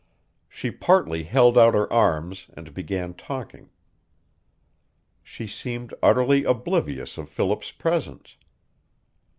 She partly held out her arms, and began talking. She seemed utterly oblivious of Philip's presence.